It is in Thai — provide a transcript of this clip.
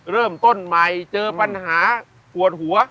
เริ่มต้นใหม่เจอปัญหาปวดหัว